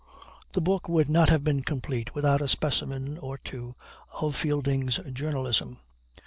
The book would not have been complete without a specimen or two of Fielding's journalism.